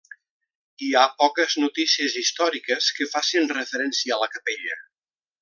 Hi ha poques notícies històriques que facin referència a la capella.